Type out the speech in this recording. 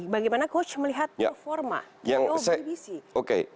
bagaimana coach melihat performa bbc